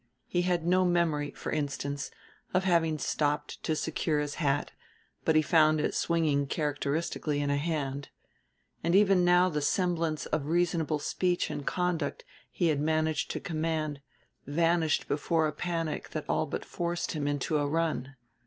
He had no memory, for instance, of having stopped to secure his hat, but he found it swinging characteristically in a hand. And now even the semblance of reasonable speech and conduct he had managed to command vanished before a panic that all but forced him into a run.